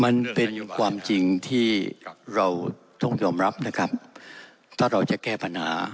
มันเป็นความจริงที่เราต้องยอมรับนะครับถ้าเราจะแก้ปัญหา